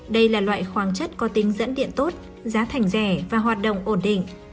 đây là loại khoáng chất có tính dẫn điện tốt giá thành rẻ và hoạt động ổn định